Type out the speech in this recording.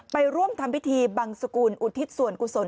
ไปร่วมทำพิธีบังสุกุลอุทิศส่วนกุศล